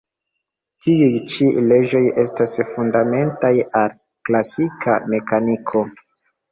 Tiuj ĉi leĝoj estas fundamentaj al klasika mekaniko.